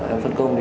em phát công thì